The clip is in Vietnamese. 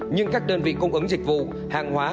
nhưng các đơn vị cung ứng dịch vụ hàng hóa